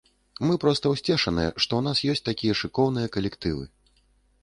Мы проста ўсцешаныя, што ў нас ёсць такія шыкоўныя калектывы!